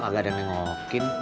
kagak ada yang nengokin